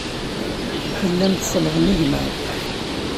Tellam tsellḍem igmaḍ.